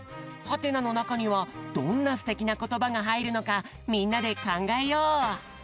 「？」のなかにはどんなすてきなことばがはいるのかみんなでかんがえよう！